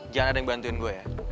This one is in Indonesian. jangan ada yang bantuin gue ya